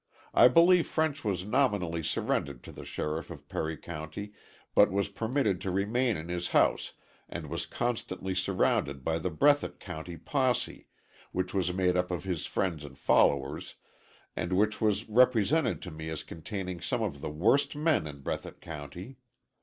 I believe French was nominally surrendered to the sheriff of Perry County, but was permitted to remain in his house and was constantly surrounded by the Breathitt County posse, which was made up of his friends and followers, and which was represented to me as containing some of the worst men in Breathitt County.